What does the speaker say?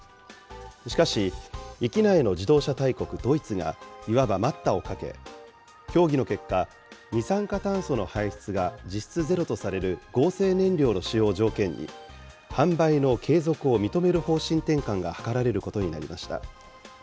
しかし、域内の自動車大国、ドイツが、いわば待ったをかけ、協議の結果、二酸化炭素の排出が実質ゼロとされる合成燃料の使用を条件に、販売の継続を認める方針転換が図られることになりました。